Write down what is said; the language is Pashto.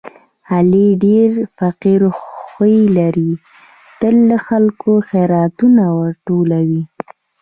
علي ډېر فقیر خوی لري، تل له خلکو خیراتونه ټولوي.